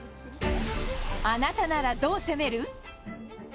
あなたならどう攻める？